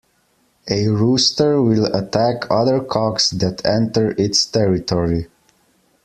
A rooster will attack other cocks that enter its territory.